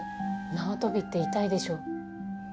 縄跳びって痛いでしょ？